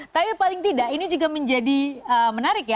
tapi paling tidak ini juga menjadi menarik ya